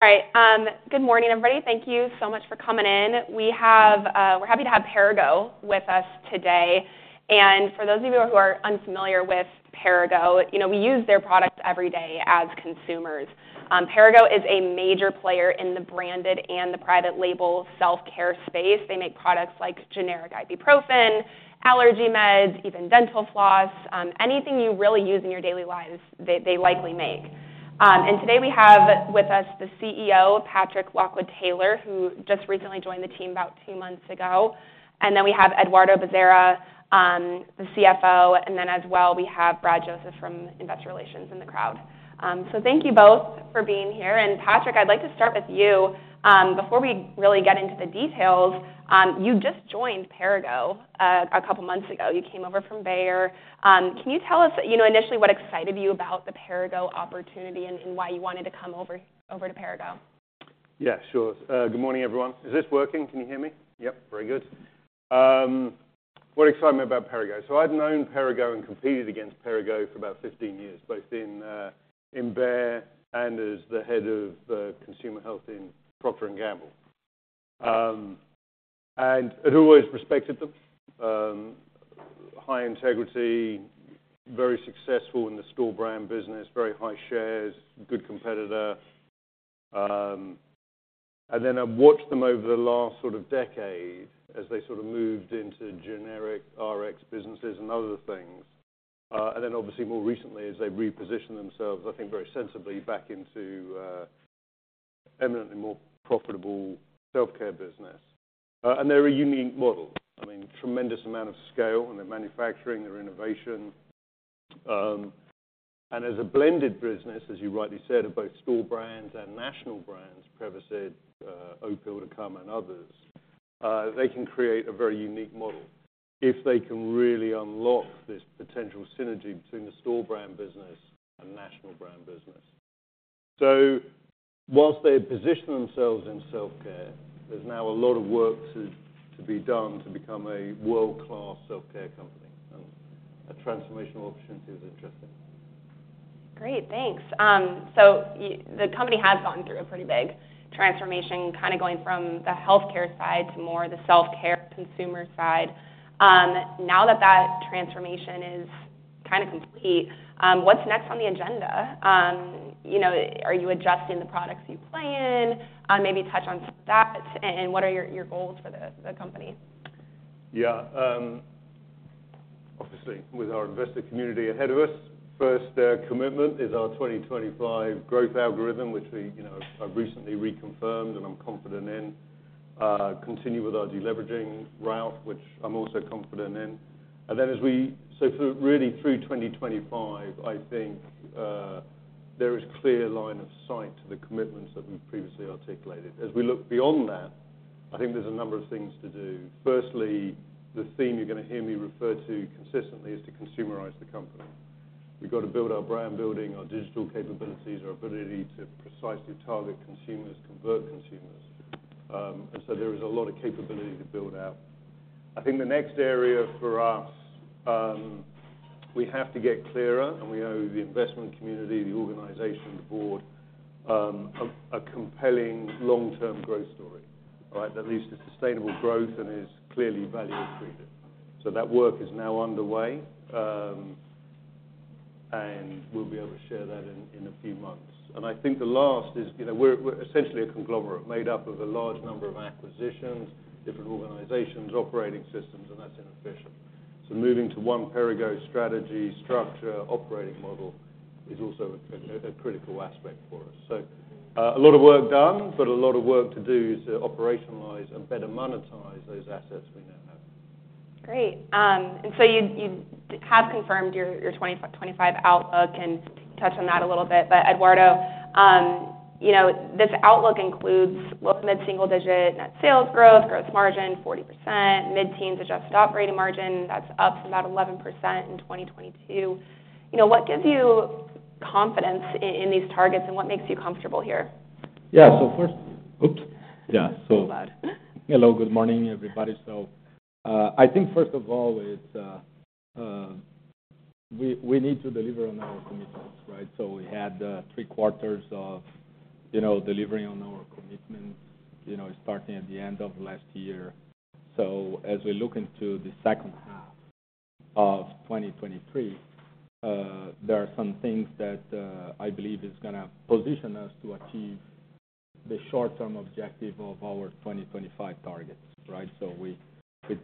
All right, good morning, everybody. Thank you so much for coming in. We have, we're happy to have Perrigo with us today. And for those of you who are unfamiliar with Perrigo, you know, we use their products every day as consumers. Perrigo is a major player in the branded and the private label self-care space. They make products like generic ibuprofen, allergy meds, even dental floss. Anything you really use in your daily lives, they, they likely make. And today we have with us the CEO, Patrick Lockwood-Taylor, who just recently joined the team about two months ago. And then we have Eduardo Bezerra, the CFO, and then as well, we have Brad Joseph from Investor Relations in the crowd. So thank you both for being here. And Patrick, I'd like to start with you. Before we really get into the details, you just joined Perrigo, a couple of months ago. You came over from Bayer. Can you tell us, you know, initially, what excited you about the Perrigo opportunity and why you wanted to come over to Perrigo? Yeah, sure. Good morning, everyone. Is this working? Can you hear me? Yep, very good. What excited me about Perrigo? So I've known Perrigo and competed against Perrigo for about 15 years, both in Bayer and as the head of consumer health in Procter & Gamble. And I've always respected them. High integrity, very successful in the store brand business, very high shares, good competitor. And then I've watched them over the last sort of decade as they sort of moved into generic Rx businesses and other things. And then obviously, more recently, as they repositioned themselves, I think very sensibly, back into eminently more profitable self-care business. And they're a unique model. I mean, tremendous amount of scale in their manufacturing, their innovation. As a blended business, as you rightly said, of both store brands and national brands, Prevacid, Opill to come, and others, they can create a very unique model if they can really unlock this potential synergy between the store brand business and national brand business. Whilst they position themselves in self-care, there's now a lot of work to be done to become a world-class self-care company. A transformational opportunity is interesting. Great, thanks. So the company has gone through a pretty big transformation, kinda going from the healthcare side to more the self-care consumer side. Now that that transformation is kind of complete, what's next on the agenda? You know, are you adjusting the products you play in? Maybe touch on that, and what are your goals for the company? Yeah, obviously, with our investor community ahead of us, first, commitment is our 2025 growth algorithm, which we, you know, I've recently reconfirmed and I'm confident in. Continue with our deleveraging route, which I'm also confident in. So through, really, through 2025, I think, there is clear line of sight to the commitments that we've previously articulated. As we look beyond that, I think there's a number of things to do. Firstly, the theme you're gonna hear me refer to consistently is to consumerize the company. We've got to build our brand building, our digital capabilities, our ability to precisely target consumers, convert consumers. And so there is a lot of capability to build out. I think the next area for us, we have to get clearer, and we owe the investment community, the organization, the board, a compelling long-term growth story, all right, that leads to sustainable growth and is clearly value-created. So that work is now underway, and we'll be able to share that in a few months. And I think the last is, you know, we're essentially a conglomerate made up of a large number of acquisitions, different organizations, operating systems, and that's inefficient. So moving to one Perrigo strategy, structure, operating model is also a critical aspect for us. So, a lot of work done, but a lot of work to do to operationalize and better monetize those assets we now have. Great. And so you have confirmed your 2025 outlook and touched on that a little bit. But Eduardo, you know, this outlook includes mid-single digit net sales growth, gross margin, 40%, mid-teens adjusted operating margin, that's up to about 11% in 2022. You know, what gives you confidence in these targets, and what makes you comfortable here? Yeah. So first, yeah, so, hello, good morning, everybody. So, I think first of all, it's we need to deliver on our commitments, right? So we had three quarters of, you know, delivering on our commitments, you know, starting at the end of last year. So as we look into the second half of 2023, there are some things that I believe is gonna position us to achieve the short-term objective of our 2025 targets, right? So we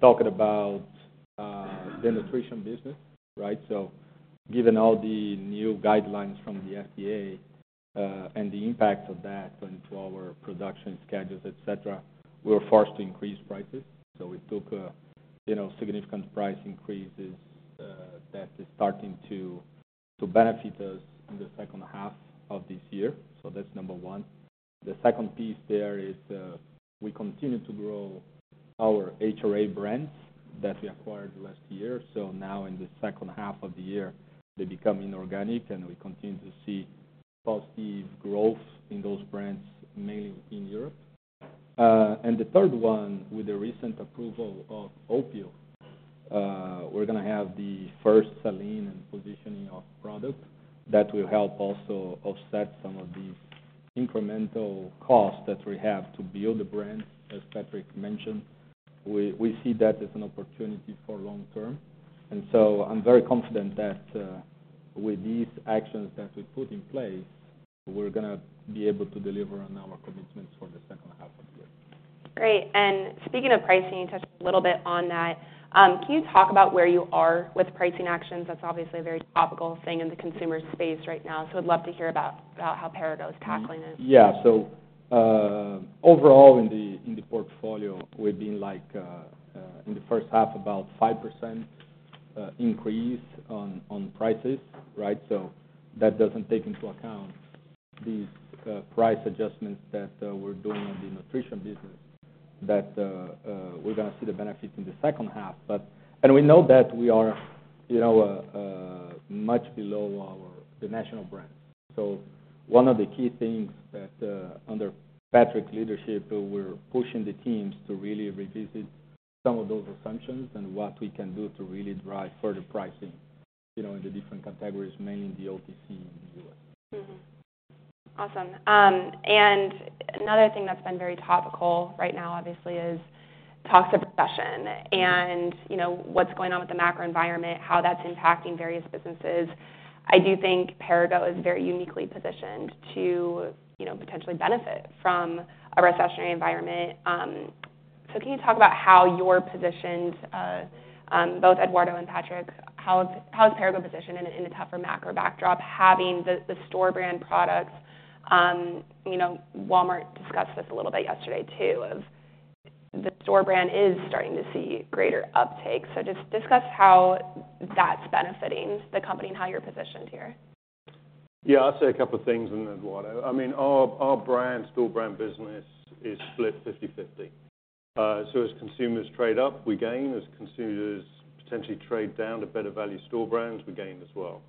talked about the nutrition business, right? So given all the new guidelines from the FDA, and the impact of that into our production schedules, et cetera, we were forced to increase prices. So we took, you know, significant price increases, that is starting to benefit us in the second half of this year. So that's number one. The second piece there is, we continue to grow our HRA brands that we acquired last year. So now in the second half of the year, they become inorganic, and we continue to see positive growth in those brands, mainly in Europe. And the third one, with the recent approval of Opill. We're gonna have the first selling and positioning of product. That will help also offset some of the incremental costs that we have to build the brand, as Patrick mentioned. We see that as an opportunity for long term. And so I'm very confident that, with these actions that we put in place, we're gonna be able to deliver on our commitments for the second half of the year. Great. And speaking of pricing, you touched a little bit on that. Can you talk about where you are with pricing actions? That's obviously a very topical thing in the consumer space right now, so I'd love to hear about, about how Perrigo is tackling this. Yeah. So, overall, in the portfolio, we've been like, in the first half, about 5% increase on prices, right? So that doesn't take into account the price adjustments that we're doing on the nutrition business, that we're gonna see the benefit in the second half. But and we know that we are, you know, much below the national brands. So one of the key things that, under Patrick's leadership, we're pushing the teams to really revisit some of those assumptions and what we can do to really drive further pricing, you know, in the different categories, mainly the OTC in the U.S. Mm-hmm. Awesome. And another thing that's been very topical right now, obviously, is talks of recession, and, you know, what's going on with the macro environment, how that's impacting various businesses. I do think Perrigo is very uniquely positioned to, you know, potentially benefit from a recessionary environment. So can you talk about how you're positioned, both Eduardo and Patrick, how is Perrigo positioned in a tougher macro backdrop, having the store brand products? You know, Walmart discussed this a little bit yesterday, too, of the store brand is starting to see greater uptake. So just discuss how that's benefiting the company and how you're positioned here. Yeah, I'll say a couple of things, and then Eduardo. I mean, our, our brand, store brand business is split 50/50. So as consumers trade up, we gain. As consumers potentially trade down to better value store brands, we gain as well.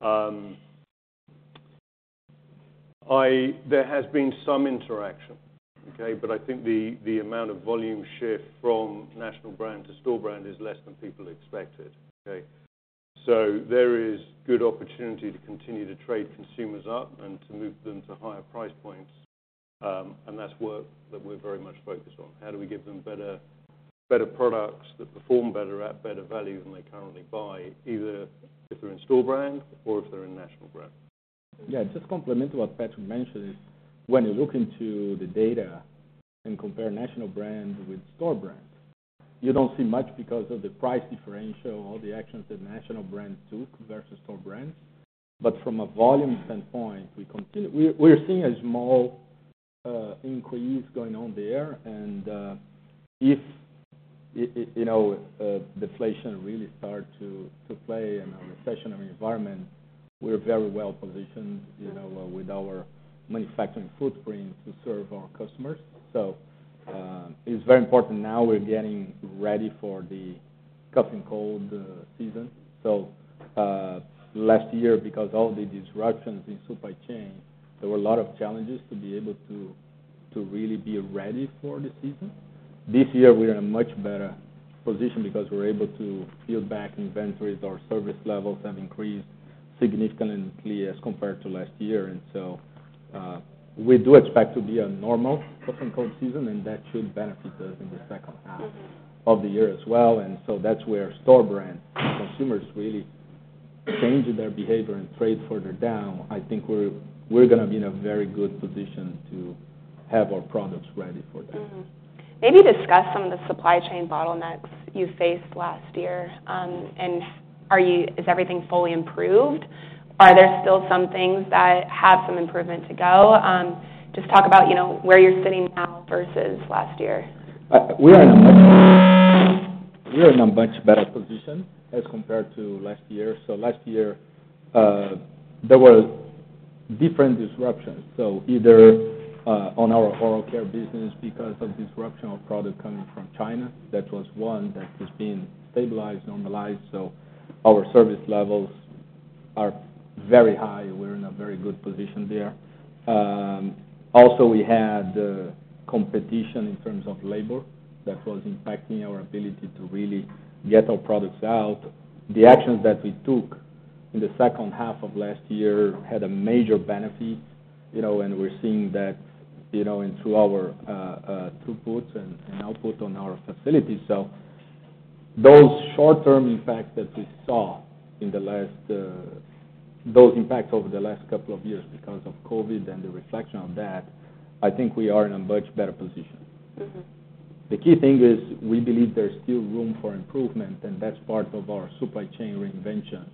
There has been some interaction, okay? But I think the, the amount of volume shift from national brand to store brand is less than people expected, okay? So there is good opportunity to continue to trade consumers up and to move them to higher price points, and that's work that we're very much focused on. How do we give them better, better products that perform better at better value than they currently buy, either if they're in store brand or if they're in national brand? Yeah, just complementary to what Patrick mentioned is, when you look into the data and compare national brand with store brand, you don't see much because of the price differential, all the actions that national brands took versus store brands. But from a volume standpoint, we're seeing a small increase going on there, and if you know deflation really start to play in a recessionary environment, we're very well positioned, you know, with our manufacturing footprint to serve our customers. So, it's very important now we're getting ready for the cough and cold season. So, last year, because of all the disruptions in supply chain, there were a lot of challenges to be able to really be ready for the season. This year, we're in a much better position because we're able to build back inventories. Our service levels have increased significantly as compared to last year. And so, we do expect to be a normal cough and cold season, and that should benefit us in the second half of the year as well. And so that's where store brands, consumers really changing their behavior and trade further down, I think we're gonna be in a very good position to have our products ready for that. Mm-hmm. Maybe discuss some of the supply chain bottlenecks you faced last year, and is everything fully improved? Are there still some things that have some improvement to go? Just talk about, you know, where you're sitting now versus last year. We are in a much better position as compared to last year. So last year, there were different disruptions. So either on our oral care business, because of disruption of product coming from China, that was one that has been stabilized, normalized, so our service levels are very high. We're in a very good position there. Also, we had competition in terms of labor that was impacting our ability to really get our products out. The actions that we took in the second half of last year had a major benefit, you know, and we're seeing that, you know, into our throughput and output on our facilities. So those short-term impacts that we saw in the last, those impacts over the last couple of years because of COVID and the reflection on that, I think we are in a much better position. The key thing is, we believe there's still room for improvement, and that's part of our supply chain reinvention.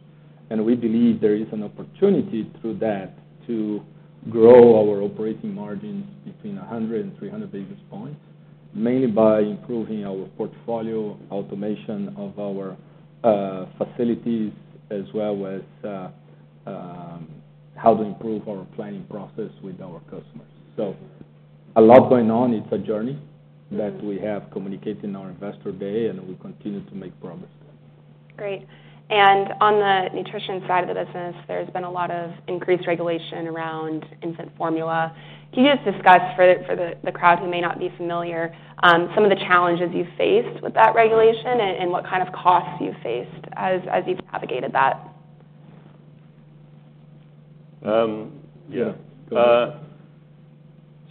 We believe there is an opportunity through that to grow our operating margins between 100 and 300 basis points, mainly by improving our portfolio, automation of our facilities, as well as how to improve our planning process with our customers. So a lot going on. It's a journey that we have communicated in our Investor Day, and we continue to make progress. Great. And on the nutrition side of the business, there's been a lot of increased regulation around infant formula. Can you just discuss for the crowd who may not be familiar some of the challenges you faced with that regulation and what kind of costs you faced as you've navigated that? Yeah.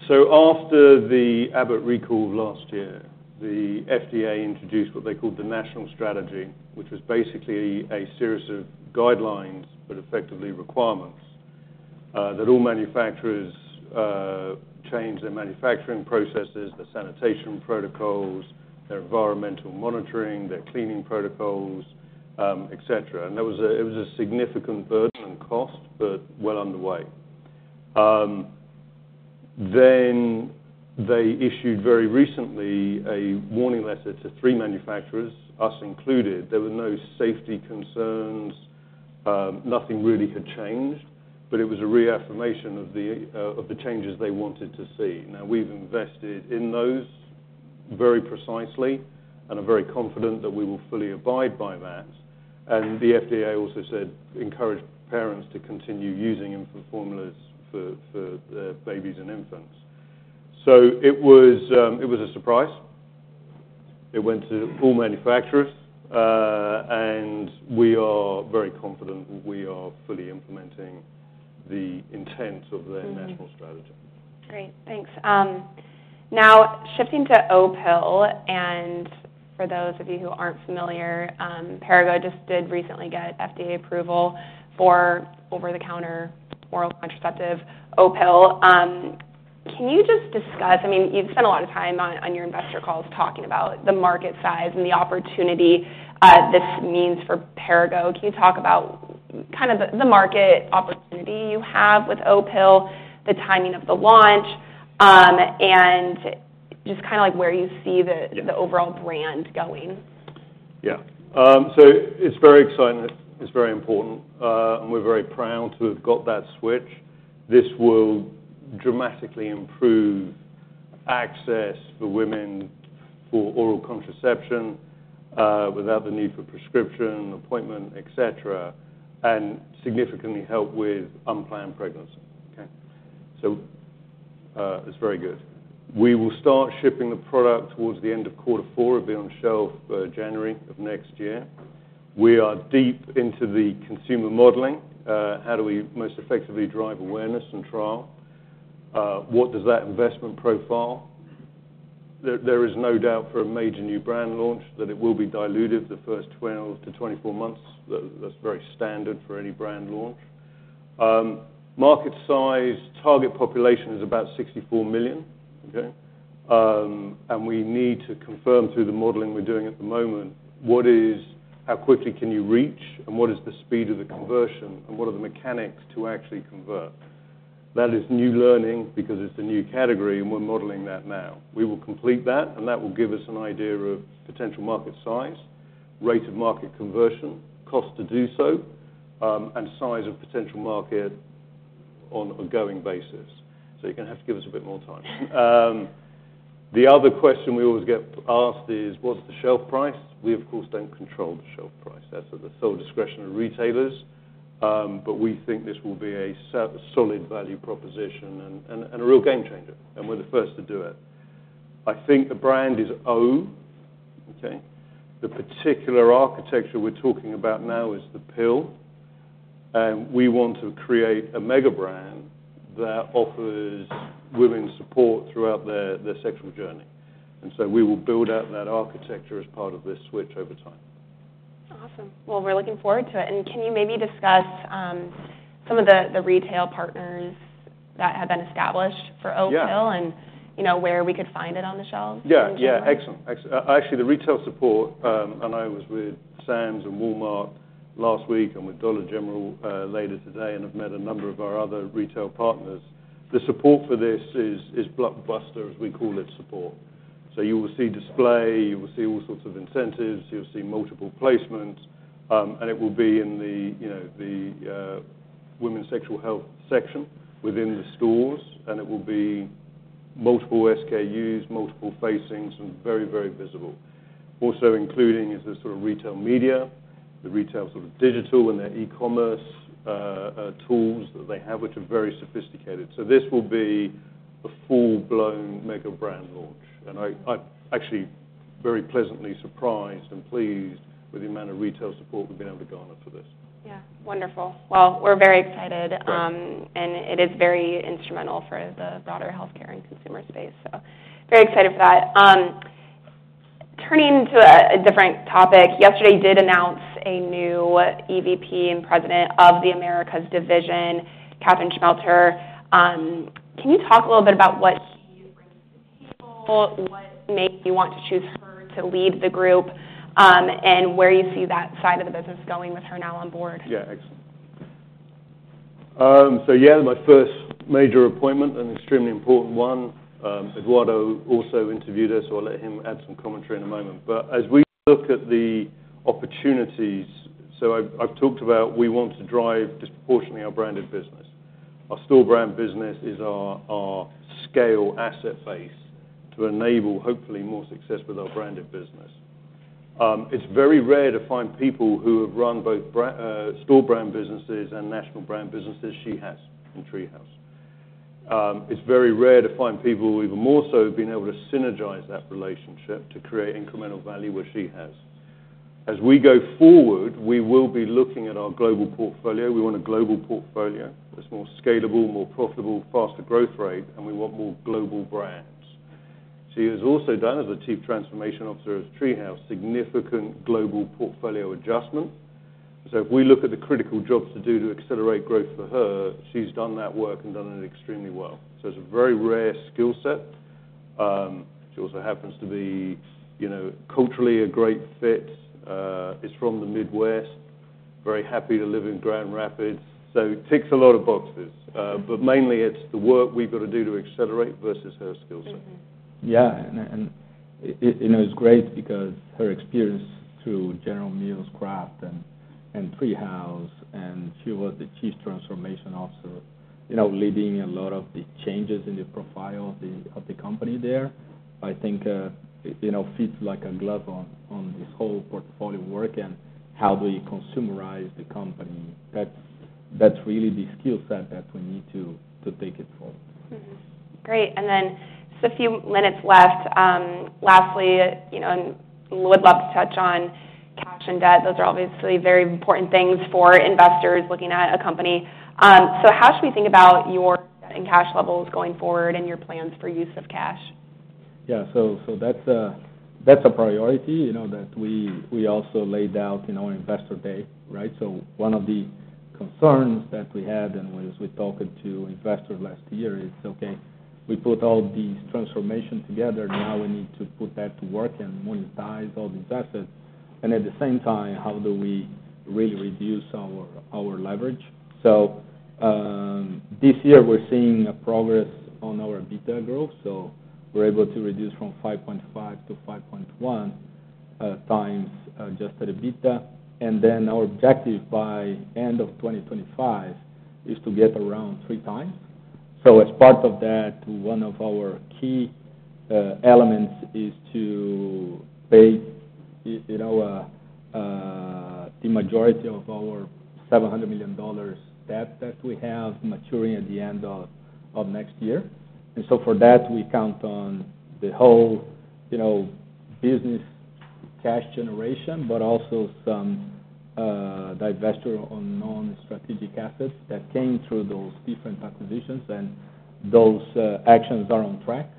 So after the Abbott recall last year, the FDA introduced what they called the National Strategy, which was basically a series of guidelines, but effectively requirements, that all manufacturers change their manufacturing processes, their sanitation protocols, their environmental monitoring, their cleaning protocols, et cetera. And that was a significant burden and cost, but well underway. Then they issued, very recently, a warning letter to three manufacturers, us included. There were no safety concerns, nothing really had changed, but it was a reaffirmation of the changes they wanted to see. Now, we've invested in those very precisely and are very confident that we will fully abide by that. And the FDA also said, encouraged parents to continue using infant formulas for babies and infants. So it was a surprise. It went to all manufacturers, and we are very confident we are fully implementing the intent of their National Strategy. Mm-hmm. Great, thanks. Now shifting to Opill, and for those of you who aren't familiar, Perrigo just did recently get FDA approval for over-the-counter oral contraceptive, Opill. Can you just discuss, I mean, you've spent a lot of time on, on your investor calls talking about the market size and the opportunity, this means for Perrigo. Can you talk about kind of the market opportunity you have with Opill, the timing of the launch, and just kind of like where you see the the overall brand going? Yeah. So it's very exciting. It's very important, and we're very proud to have got that switch. This will dramatically improve access for women for oral contraception, without the need for prescription, appointment, et cetera, and significantly help with unplanned pregnancy, okay? So, it's very good. We will start shipping the product towards the end of quarter four. It'll be on shelf by January of next year. We are deep into the consumer modeling. How do we most effectively drive awareness and trial? What does that investment profile? There is no doubt for a major new brand launch that it will be diluted the first 12-24 months. That's very standard for any brand launch. Market size, target population is about 64 million, okay? And we need to confirm through the modeling we're doing at the moment, what is how quickly can you reach, and what is the speed of the conversion, and what are the mechanics to actually convert? That is new learning because it's a new category, and we're modeling that now. We will complete that, and that will give us an idea of potential market size, rate of market conversion, cost to do so, and size of potential market on an ongoing basis. So you're gonna have to give us a bit more time. The other question we always get asked is, "What's the shelf price?" We, of course, don't control the shelf price. That's at the sole discretion of retailers, but we think this will be a solid value proposition and a real game changer, and we're the first to do it. I think the brand is O, okay? The particular architecture we're talking about now is the pill, and we want to create a mega brand that offers women support throughout their sexual journey. And so we will build out that architecture as part of this switch over time. Awesome. Well, we're looking forward to it. And can you maybe discuss some of the retail partners that have been established for Opill and, you know, where we could find it on the shelves in general? Yeah, yeah. Excellent, excellent. Actually, the retail support, and I was with Sam's and Walmart last week, and with Dollar General, later today, and I've met a number of our other retail partners. The support for this is, is blockbuster, as we call it, support. So you will see display, you will see all sorts of incentives, you'll see multiple placements, and it will be in the, you know, the, women's sexual health section within the stores, and it will be multiple SKUs, multiple facings, and very, very visible. Also, including is the sort of retail media, the retail sort of digital, and their e-commerce tools that they have, which are very sophisticated. This will be a full-blown mega brand launch, and I'm actually very pleasantly surprised and pleased with the amount of retail support we've been able to garner for this. Yeah, wonderful. Well, we're very excited and it is very instrumental for the broader healthcare and consumer space. So very excited for that. Turning to a different topic, yesterday, you did announce a new EVP and President of the Americas division, Catherine Schmelter. Can you talk a little bit about what she brings to the table, what made you want to choose her to lead the group, and where you see that side of the business going with her now on board? Yeah, excellent. So yeah, my first major appointment, an extremely important one. Eduardo also interviewed her, so I'll let him add some commentary in a moment. But as we look at the opportunities. So I've talked about we want to drive disproportionately our branded business. Our store brand business is our scale asset base to enable, hopefully, more success with our branded business. It's very rare to find people who have run both store brand businesses and national brand businesses. She has, in TreeHouse. It's very rare to find people who even more so have been able to synergize that relationship to create incremental value, where she has. As we go forward, we will be looking at our global portfolio. We want a global portfolio that's more scalable, more profitable, faster growth rate, and we want more global brands. She has also done, as a Chief Transformation Officer of TreeHouse, significant global portfolio adjustment. So if we look at the critical jobs to do to accelerate growth for her, she's done that work and done it extremely well. So it's a very rare skill set. She also happens to be, you know, culturally a great fit, is from the Midwest, very happy to live in Grand Rapids, so ticks a lot of boxes. But mainly, it's the work we've got to do to accelerate versus her skill set. Mm-hmm. Yeah, and it, you know, it's great because her experience through General Mills, Kraft, and TreeHouse, and she was the Chief Transformation Officer, you know, leading a lot of the changes in the profile of the company there. I think, you know, fits like a glove on this whole portfolio work and how do we consumerize the company. That's really the skill set that we need to take it forward. Mm-hmm. Great, and then just a few minutes left. Lastly, you know, I would love to touch on cash and debt. Those are obviously very important things for investors looking at a company. So how should we think about your cash and debt levels going forward and your plans for use of cash? Yeah. So that's a priority, you know, that we also laid out in our Investor Day, right? So one of the concerns that we had, and as we talked to investors last year, is, okay, we put all these transformations together, now we need to put that to work and monetize all these assets. And at the same time, how do we really reduce our leverage? So this year we're seeing progress on our EBITDA growth, so we're able to reduce from 5.5x to 5.1x adjusted EBITDA. And then our objective by end of 2025 is to get to around 3x. So as part of that, one of our key elements is to pay you know the majority of our $700 million debt that we have maturing at the end of next year. And so for that, we count on the whole you know business cash generation, but also some divestiture on non-strategic assets that came through those different acquisitions, and those actions are on track.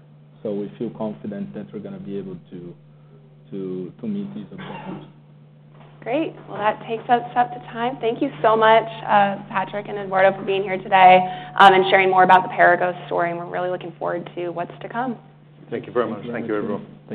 So we feel confident that we're gonna be able to meet these objectives. Great. Well, that takes us up to time. Thank you so much, Patrick and Eduardo, for being here today, and sharing more about the Perrigo story, and we're really looking forward to what's to come. Thank you very much. Thank you. Thank you, everyone.